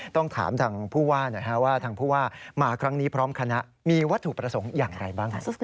ต้องถามผู้ว่ามาครั้งนี้พร้อมคณะมีวัตถุประสงค์อย่างไรบ้าง